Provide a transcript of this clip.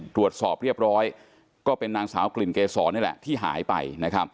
ตรวจสอบเรียบร้อยก็เป็นนางสาวกลิ่นเกษรนี่แหละที่หายไป